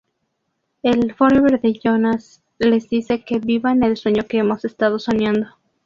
El Forever de Jonas les dice que "Vivan el sueño que hemos estado soñando".